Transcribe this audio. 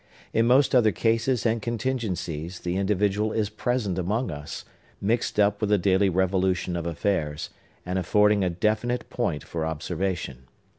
In most other cases and contingencies, the individual is present among us, mixed up with the daily revolution of affairs, and affording a definite point for observation.